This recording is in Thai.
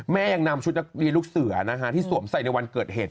ยังนำชุดนักเรียนลูกเสือที่สวมใส่ในวันเกิดเหตุ